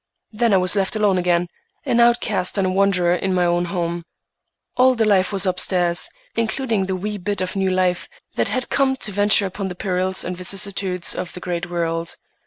Then I was left alone again, an outcast and a wanderer in my own home. All the life was up stairs, including the wee bit of new life that had come to venture upon the perils and vicissitudes of the great world.